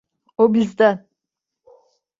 O bizden.